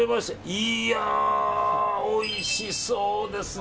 いや、おいしそうですね。